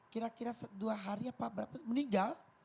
kira kira dua hari apa berapa meninggal